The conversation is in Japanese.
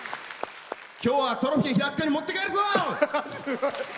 今日はトロフィー、平塚に持って帰るぞ！